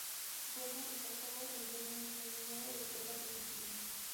Roma y Cartago enviaron un gran número de tropas a Sicilia.